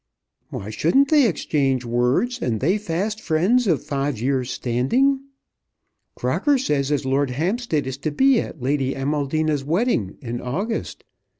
"Why shouldn't they exchange words, and they fast friends of five years' standing? Crocker says as Lord Hampstead is to be at Lady Amaldina's wedding in August.